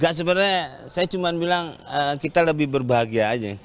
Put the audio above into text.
gak sebenarnya saya cuma bilang kita lebih berbahagia aja